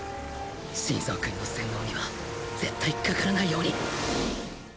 心操くんの洗脳には絶対かからないように！